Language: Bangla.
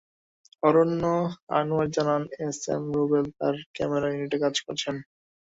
অরণ্য আনোয়ার জানান, এস এম রুবেল তাঁর ক্যামেরা ইউনিটে কাজ করেছেন।